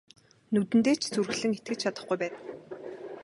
Нүдэндээ ч зүрхлэн итгэж чадахгүй байна.